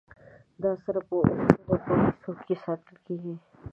دا سره په اوسپنې په کیسو کې ساتل کیږي.